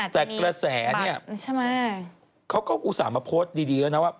แต่กระแสเนี่ยเขาก็อุตส่าห์มาโพสต์ดีแล้วนะว่า